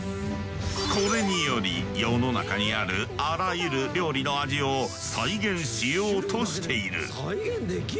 これにより世の中にあるあらゆる料理の味を再現しようとしている。